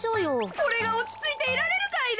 これがおちついていられるかいな。